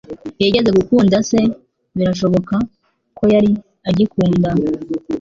Yigeze gukunda se - birashoboka ko yari agikunda.